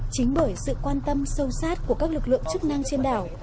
chính bởi sự quan tâm sâu sát của các lực lượng chức năng trên đảo